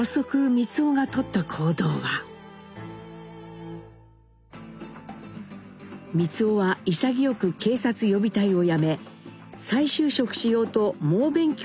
光男は潔く警察予備隊を辞め再就職しようと猛勉強を始めたのです。